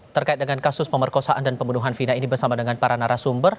terkait dengan kasus pemerkosaan dan pembunuhan vina ini bersama dengan para narasumber